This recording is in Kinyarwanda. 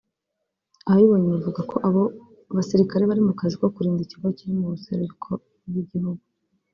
Ababibonye bavuga ko abo basirikare bari mu kazi ko kurinda ikigo kiri mu buseruko bw'igihugu